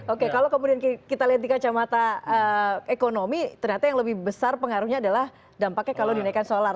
oke kalau kemudian kita lihat di kacamata ekonomi ternyata yang lebih besar pengaruhnya adalah dampaknya kalau dinaikkan solar